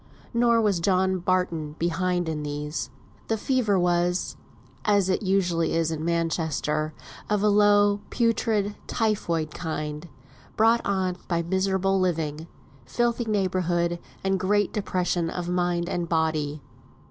Nor was John Barton behind in these. "The fever" was (as it usually is in Manchester) of a low, putrid, typhoid kind; brought on by miserable living, filthy neighbourhood, and great depression of mind and body.